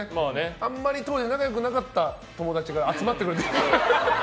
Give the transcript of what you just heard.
あまり当時は仲良くなかった友達が集まってくれて。